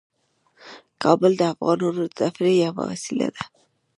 کابل د افغانانو د تفریح یوه وسیله ده.